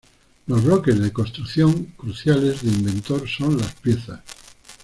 Los bloques de construcción cruciales de Inventor son las "piezas".